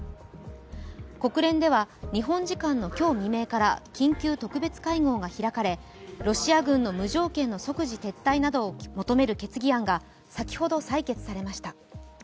国連では日本時間の今日未明から緊急特別会合が開かれロシア軍の無条件の即時撤退などを求める決議案が先ほど採決されました。